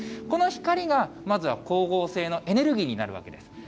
この光がまずは光合成のエネルギーになるわけです。